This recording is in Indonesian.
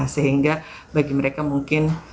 sehingga bagi mereka mungkin